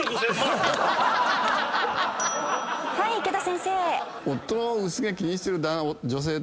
⁉はい池田先生！